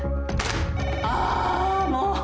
☎あもう！